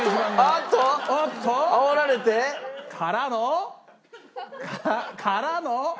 あっとあおられて。からの？からの？